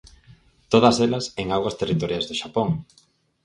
Todas elas en augas territoriais do Xapón.